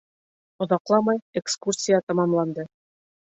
Оҙаҡламай экскурсия тамамланды.